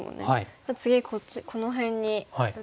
じゃあ次この辺に打っておくと。